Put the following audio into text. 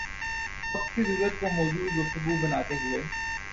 وقت کی ضرورت کو موضوع گفتگو بناتے ہوئے